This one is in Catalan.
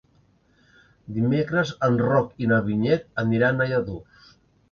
Dimecres en Roc i na Vinyet aniran a Lladurs.